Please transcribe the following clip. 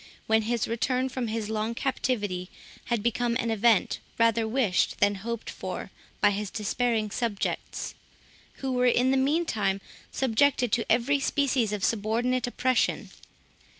when his return from his long captivity had become an event rather wished than hoped for by his despairing subjects, who were in the meantime subjected to every species of subordinate oppression.